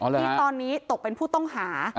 ที่ตอนนี้ตกเป็นผู้ต้องหา